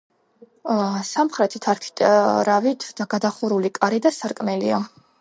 სამხრეთით არქიტრავით გადახურული კარი და სარკმელია.